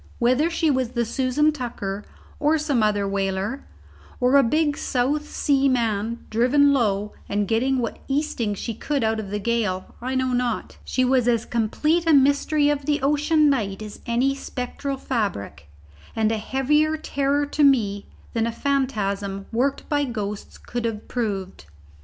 Whether she was the Susan Tucker, or some other whaler, or a big South Sea man driven low and getting what easting she could out of the gale, I know not. She was as complete a mystery of the ocean night as any spectral fabric, and a heavier terror to me than a phantasm worked by ghosts could have proved.